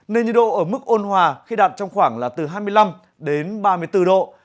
nên nhiệt độ ở mức ôn hòa khi đạt trong khoảng là từ hai mươi năm đến ba mươi bốn độ